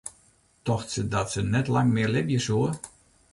Tocht se dat se net lang mear libje soe?